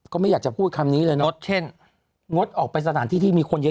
ก็ไม่อยากจะพูดคำนี้เลยเนาะเช่นงดออกไปสถานที่ที่มีคนเยอะ